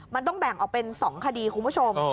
มันต้องแบ่งออกเป็น๒คดีคุณผู้ชม